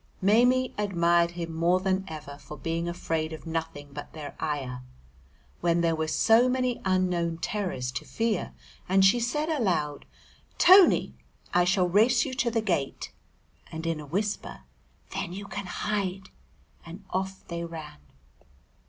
Maimie admired him more than ever for being afraid of nothing but their ayah, when there were so many unknown terrors to fear, and she said aloud, "Tony, I shall race you to the gate," and in a whisper, "Then you can hide," and off they ran.